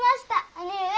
兄上。